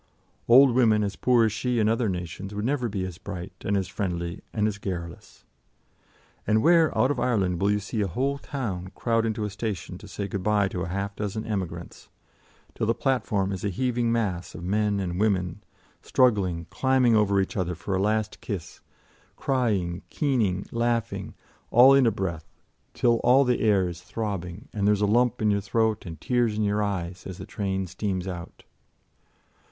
Old women as poor as she in other nations would never be as bright and as friendly and as garrulous. And where, out of Ireland, will you see a whole town crowd into a station to say good bye to half a dozen emigrants, till the platform is a heaving mass of men and women, struggling, climbing over each other for a last kiss, crying, keening, laughing, all in a breath, till all the air is throbbing and there's a lump in your throat and tears in your eyes as the train steams out?